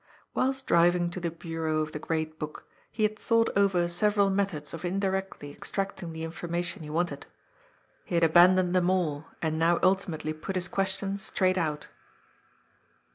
Whilst driving to the Bureaux of the " Great Book," he had thought over several methods of indirectly extracting the information he wanted. He had abandoned them all, and now ultimately put his question straight out.